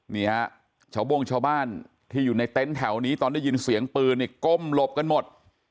นี่ฮะชาวโบ้งชาวบ้านที่อยู่ในเต็นต์แถวนี้ตอนได้ยินเสียงปืนเนี่ยก้มหลบกันหมด